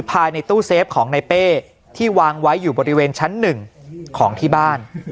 ภายในตู้เซฟของในเป้ที่วางไว้อยู่บริเวณชั้นหนึ่งของที่บ้าน